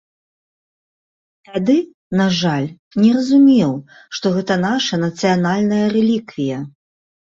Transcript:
Тады, на жаль, не разумеў, што гэта наша нацыянальная рэліквія.